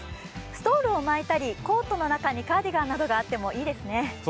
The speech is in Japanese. ストールを巻いたり、コートの中にカーディガンなどがあってもいいですね。